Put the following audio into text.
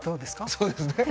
そうですね